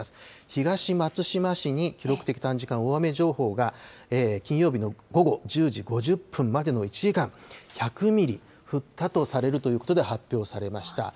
東松島市に記録的短時間大雨情報が、金曜日の午後１０時５０分までの１時間、１００ミリ降ったとされるということで発表されました。